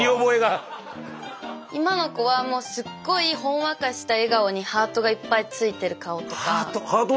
今の子はもうすっごいほんわかした笑顔にハートがいっぱいついてる顔とか。